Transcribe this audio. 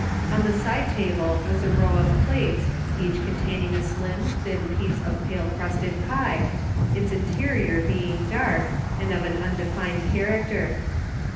On the side table was a row of plates each con taining a slim, thin piece of pale crusted pie, its interior being dark and of an undefined char acter.